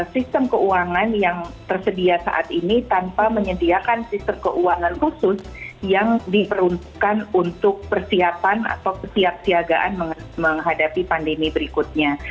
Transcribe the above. sistem keuangan yang tersedia saat ini tanpa menyediakan sistem keuangan khusus yang diperuntukkan untuk persiapan atau kesiapsiagaan menghadapi pandemi berikutnya